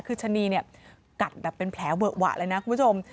คือชะนีกระดับเป็นแผลเวอะวะเลยนะคุณผู้ชม